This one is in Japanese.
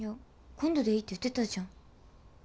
今度でいいって言ってたじゃん。